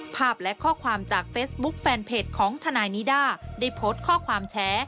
ภาพและข้อความจากเฟซบุ๊คแฟนเพจของทนายนิด้าได้โพสต์ข้อความแชร์